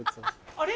あれ？